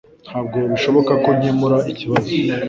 Ntabwo bishoboka ko nkemura ikibazo